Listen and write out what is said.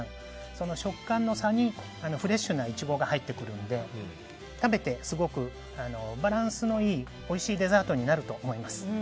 その食感の差にフレッシュなイチゴが入ってくるので食べてすごくバランスのいいおいしいデザートになると思います。